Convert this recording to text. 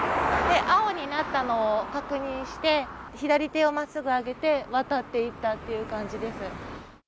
青になったのを確認して、左手をまっすぐ上げて渡っていったっていう感じです。